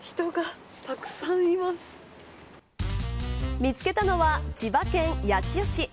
見つけたのは千葉県八千代市。